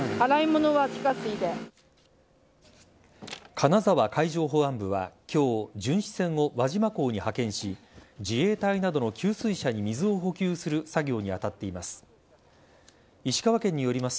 金沢海上保安部は今日巡視船を輪島港に派遣し自衛隊などの給水車に水を補給する作業に当たっています。